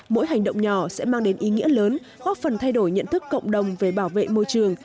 mỗi hành động nhỏ sẽ mang đến ý nghĩa lớn góp phần thay đổi nhận thức cộng đồng về bảo vệ môi trường